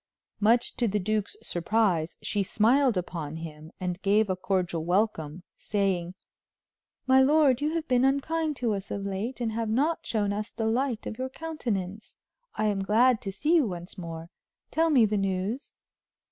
Much to the duke's surprise, she smiled upon him and gave a cordial welcome, saying: "My lord, you have been unkind to us of late and have not shown us the light of your countenance. I am glad to see you once more; tell me the news."